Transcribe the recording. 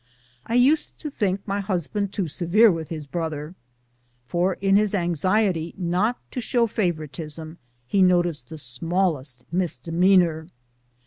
I used to think my husband too severe with his brother, for in his anxiety not to show favoritism he noticed the smallest misdemeanor.